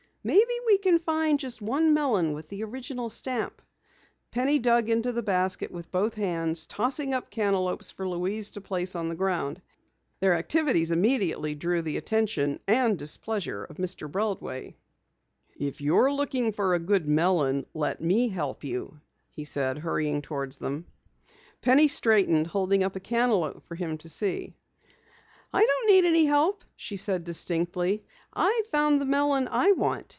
"Maybe we can find just one melon with the original stamp!" Penny dug into the basket with both hands, tossing up cantaloupes for Louise to place on the ground. Their activities immediately drew the attention and displeasure of Mr. Breldway. "If you're looking for a good melon let me help you," he said, hurrying toward them. Penny straightened, holding up a cantaloupe for him to see. "I don't need any help," she said distinctly. "I've found the melon I want.